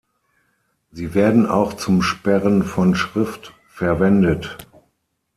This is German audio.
Sie werden auch zum Sperren von Schrift verwendet.